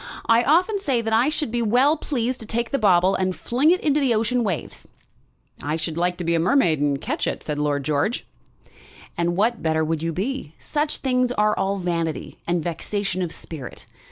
I often say that I should be well pleased to take the bauble and fling it into the ocean waves." "I should like to be a mermaid and catch it," said Lord George. "And what better would you be? Such things are all vanity and vexation of spirit.